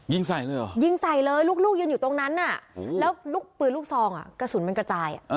ยิงใส่เลยเหรอยิงใส่เลยลูกยืนอยู่ตรงนั้นแล้วลูกปืนลูกซองกระสุนมันกระจาย